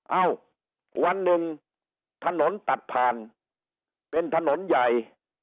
เอ้าวันหนึ่งถนนตัดผ่านเป็นถนนใหญ่